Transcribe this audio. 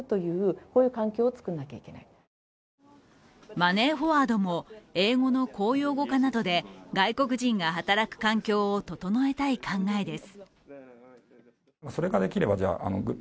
マネーフォワードも英語の公用語化などで外国人が働く環境を整えたい考えです。